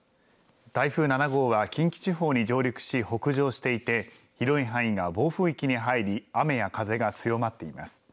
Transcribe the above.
台風７号は近畿地方に上陸し、北上していて、広い範囲が暴風域に入り、雨や風が強まっています。